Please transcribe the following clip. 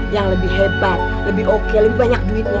yang lebih hebat lebih oke lebih banyak duitnya